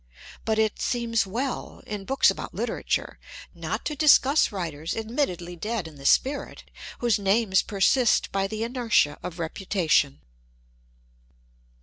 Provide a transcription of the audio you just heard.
But it seems well, in books about literature, not to discuss writers admittedly dead in the spirit, whose names persist by the inertia of reputation.